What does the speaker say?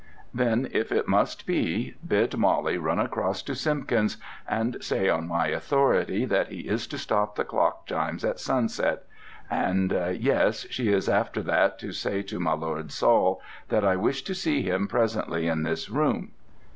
"Then, if it must be, bid Molly run across to Simpkins and say on my authority that he is to stop the clock chimes at sunset: and yes she is after that to say to my lord Saul that I wish to see him presently in this room."